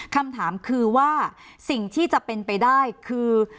คำถามคือว่าสิ่งที่จะเป็นไปได้คือ